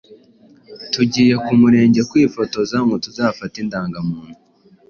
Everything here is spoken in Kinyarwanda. Tugiye ku Murenge kwifotoza ngo tuzafate indangamuntu.